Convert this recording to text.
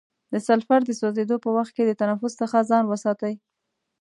د سلفر د سوځیدو په وخت کې د تنفس څخه ځان وساتئ.